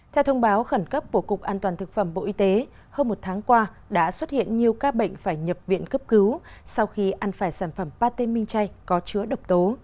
theo thông báo khẩn cấp của cục an toàn thực phẩm bộ y tế hơn một tháng qua đã xuất hiện nhiều ca bệnh phải nhập viện cấp cứu sau khi ăn phải sản phẩm pate minh chay có chứa độc tố